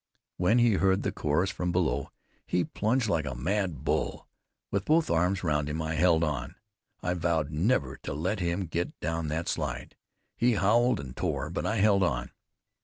When he heard the chorus from below, he plunged like a mad bull. With both arms round him I held on. I vowed never to let him get down that slide. He howled and tore, but I held on.